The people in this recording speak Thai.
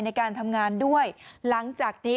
ในการทำงานด้วยหลังจากนี้